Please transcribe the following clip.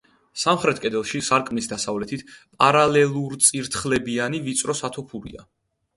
სამხრეთ კედელში, სარკმლის დასავლეთით, პარალელურწირთხლებიანი ვიწრო სათოფურია.